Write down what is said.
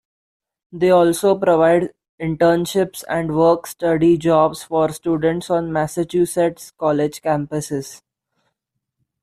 They also provide internships and work study jobs for students on Massachusetts college campuses.